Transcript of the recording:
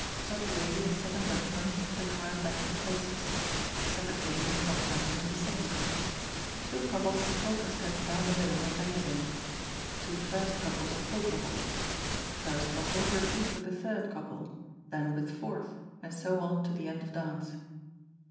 Top lady and second gentleman retire back to places second lady and top gentleman the same. Two couples polka step down the middle and back again two first couples polka waltz. First couple repeat with the third couple, then with fourth, and so on to the end of dance.